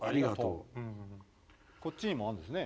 こっちにもあるんですね。